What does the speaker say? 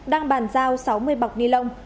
đang bàn giao sáu mươi bọc ni lông